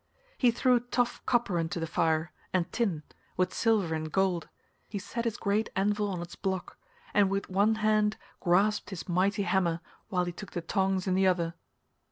He threw tough copper into the fire, and tin, with silver and gold; he set his great anvil on its block, and with one hand grasped his mighty hammer while he took the tongs in the other.